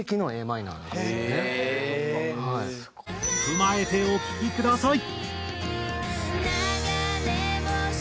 踏まえてお聴きください。